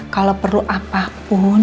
kalau perlu apapun